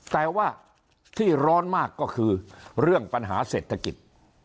แต่ว่าที่ร้อนมากก็คือเรื่องปัญหาเศรษฐกิจ